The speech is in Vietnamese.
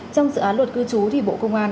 trong dự án luật cư trú thì bộ công an